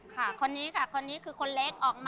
ค่ะคนนี้ค่ะคนนี้คือคนเล็กออกมา